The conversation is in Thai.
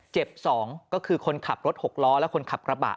๒ก็คือคนขับรถหกล้อและคนขับกระบะ